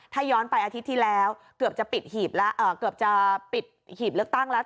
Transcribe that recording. ถ้าย้อนไปอาทิตย์ที่แล้วเกือบจะปิดหีบเลือกตั้งแล้ว